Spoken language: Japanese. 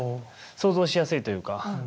想像しやすいというか。